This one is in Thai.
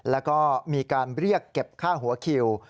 แล้วก็มีการเรียกเก็บค่าหัวคิว